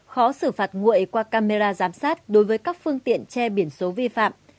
khó xử phạt nguội qua camera giám sát đối với các phương tiện che biển số vi phạm